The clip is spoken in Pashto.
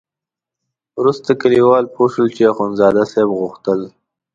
وروسته کلیوال پوه شول چې اخندزاده صاحب غوښتل.